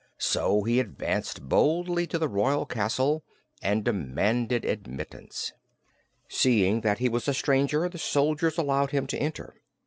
So he advanced boldly to the royal castle and demanded admittance. Seeing that he was a stranger, the soldiers allowed him to enter.